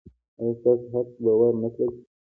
ایا ستاسو حق به ور نه کړل شي؟